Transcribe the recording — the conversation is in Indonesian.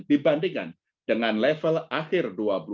dibandingkan dengan level akhir dua ribu dua puluh satu